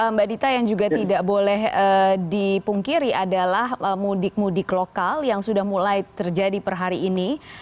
mbak dita yang juga tidak boleh dipungkiri adalah mudik mudik lokal yang sudah mulai terjadi per hari ini